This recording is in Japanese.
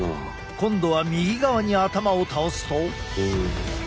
今度は右側に頭を倒すと。